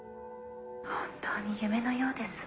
「本当に夢のようですわ」。